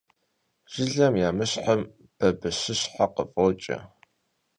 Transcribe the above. Jjılem yamışhım babışışhe khıf'oç'e.